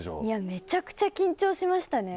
めちゃくちゃ緊張しましたね。